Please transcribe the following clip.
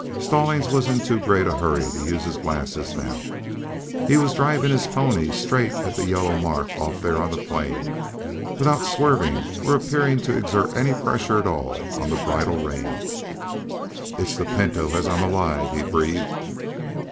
Stallings was in too great a hurry to use his glasses now. He was driving his pony straight at the yellow mark off there on the plain, without swerving or appearing to exert any pressure at all on the bridle rein. "It's the Pinto, as I'm alive!" he breathed.